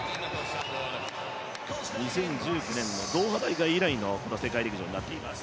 ２０１９年のドーハ大会以来の世界陸上となっています。